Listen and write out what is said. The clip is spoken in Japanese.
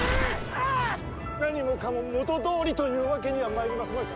何もかも元どおりというわけにはまいりますまいか。